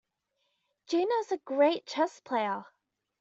Gina is a great chess player.